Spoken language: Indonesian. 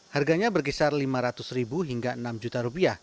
harganya berkisar rp lima ratus hingga rp enam juta